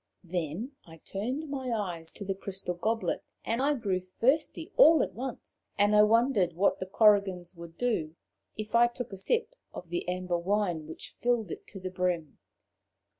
Then I turned my eyes to the crystal goblet and I grew thirsty all at once; and I wondered what the Korrigans would do if I took a sip of the amber wine which filled it to the brim.